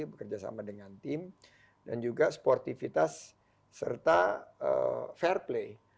bekerjasama dengan tim dan juga sportivitas serta fair play